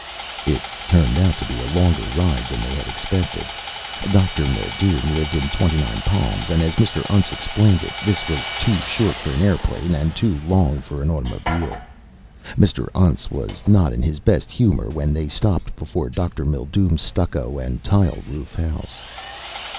It turned out to be a longer ride than they had expected. Dr. Mildume lived in Twenty nine Palms and, as Mr. Untz explained it, this was too short for an airplane and too long for an automobile. Mr. Untz was not in his best humor when they stopped before Dr. Mildume's stucco and tile roof house.